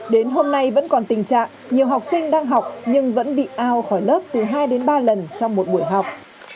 đến hôm nay vẫn còn tình trạng nhiều học sinh đang học nhưng vẫn bị ao khỏi lớp từ hai đến ba lần trong một buổi học